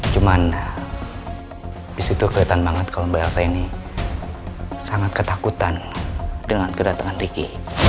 cuman disitu kelihatan banget kalau mbak elsa ini sangat ketakutan dengan kedatangan ricky